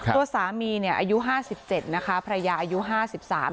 ตัวสามีเนี่ยอายุห้าสิบเจ็ดนะคะภรรยาอายุห้าสิบสาม